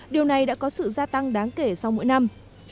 điều này đã có sự gia tăng đáng kể sau mỗi năm